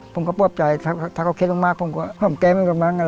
ผมก็ปลอบใจถ้าเขาคิดมากผมก็หอมแก้มกับมั้ง